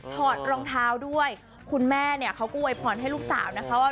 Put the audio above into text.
ถอดรองเท้าด้วยคุณแม่เนี่ยเขาก็อวยพรให้ลูกสาวนะคะว่า